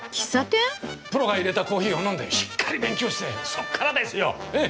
プロがいれたコーヒーを飲んでしっかり勉強してそこからですよ！